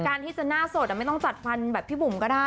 การที่จะหน้าสดไม่ต้องจัดฟันแบบพี่บุ๋มก็ได้